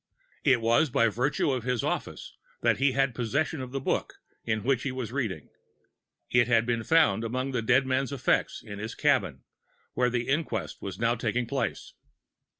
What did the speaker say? It was by virtue of his office that he had possession of the book in which he was reading; it had been found among the dead man's effects in his cabin, where the inquest was now taking place.